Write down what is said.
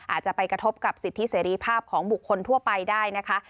อาจจะไปกระทบกับสิทธิเสรีภาพของบุคคลทั่วไปได้นะคะ